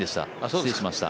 失礼しました。